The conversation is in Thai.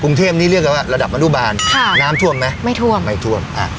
กรุงเทพนี้เรียกกันว่าระดับอนุบาลค่ะน้ำท่วมไหมไม่ท่วมไม่ท่วมอ่ะ